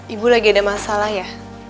ibu lagi ada masalah ya